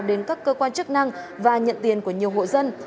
đến các cơ quan chức năng và nhận tiền của nhiều hộ dân